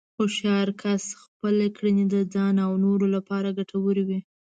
هوښیار کسان خپلې کړنې د ځان او نورو لپاره ګټورې وي.